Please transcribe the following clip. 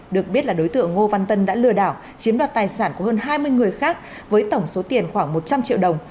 được biết là đối tượng ngô văn tân đã lừa đảo chiếm đoạt tài sản của hơn hai mươi người khác với tổng số tiền khoảng một trăm linh triệu đồng